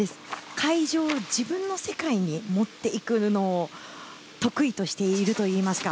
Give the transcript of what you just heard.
会場を自分の世界に持っていくのを得意としているといいますか。